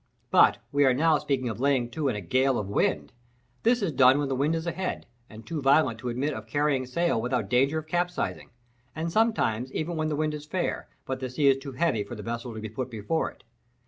But we are now speaking of lying to in a gale of wind. This is done when the wind is ahead, and too violent to admit of carrying sail without danger of capsizing; and sometimes even when the wind is fair, but the sea too heavy for the vessel to be put before it.